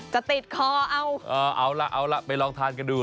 จะติดคอเอาเออเอาล่ะเอาล่ะไปลองทานกันดู